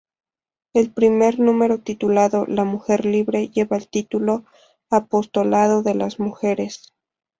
El primer número titulado "La Mujer libre" lleva el título "Apostolado de las mujeres.